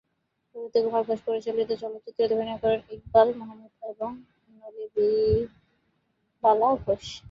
বারীন্দ্রকুমার ঘোষ পরিচালিত চলচ্চিত্রটিতে অভিনয় করেন ইকবাল মাহমুদ এবং নলিনীবালা ঘোষ।